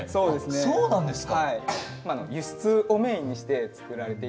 そうなんですか。